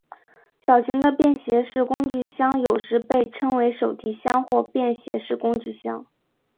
小型的便携式工具箱有时被称为手提箱或便携式工具箱。